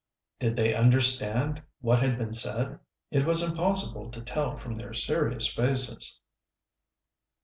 Did they understand what had been said? It was impossible to tell from their serious faces.